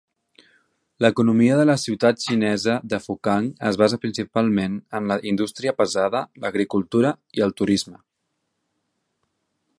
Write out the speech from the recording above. L'economia de la ciutat xinesa de Fukang es basa principalment en la indústria pesada, l'agricultura i el turisme.